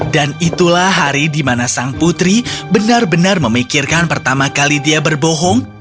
dan itulah hari di mana sang putri benar benar memikirkan pertama kali dia berbohong